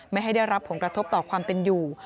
ไม่ให้ได้รับผลกระทบต่อความเป็นอยู่